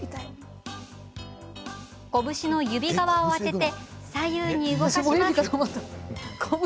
こぶしの指側を当て左右に動かします。